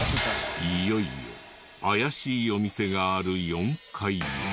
いよいよ怪しいお店がある４階へ。